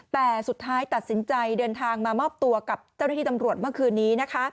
แต่สุดท้ายตัดสินใจเดินทางมามอบตัวกับเจ้าหน้าที่ตำรวจเมื่อคืนนี้นะคะ